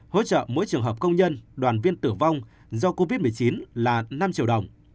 hỗ trợ mỗi trường hợp công nhân đoàn viên tử vong do covid một mươi chín là năm triệu đồng